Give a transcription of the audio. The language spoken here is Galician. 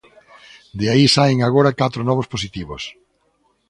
De aí saen agora catro novos positivos.